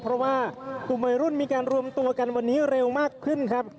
เพราะว่ากลุ่มวัยรุ่นมีการรวมตัวกันวันนี้เร็วมากขึ้นครับ